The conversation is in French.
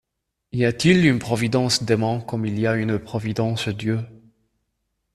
Y a-t-il une providence Démon comme il y a une providence Dieu?